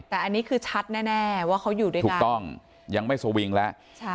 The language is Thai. แต่อันนี้คือชัดแน่ว่าเขาอยู่ด้วยกันถูกต้องยังไม่สวิงแล้ว